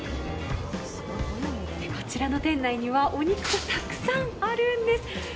こちらの店内にはお肉がたくさんあるんです。